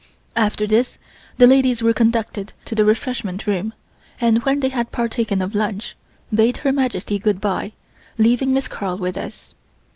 After this the ladies were conducted to the refreshment room, and when they had partaken of lunch, bade Her Majesty good bye, leaving Miss Carl with us.